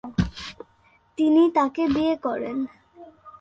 তিনি তাকে বিয়ে করেন।